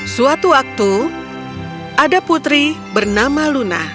suatu waktu ada putri bernama luna